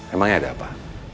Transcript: emangnya ada apa